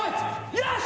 よし！